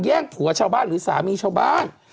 ผัวชาวบ้านหรือสามีชาวบ้าน